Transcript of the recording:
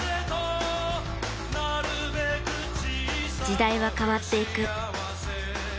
時代は変わっていく。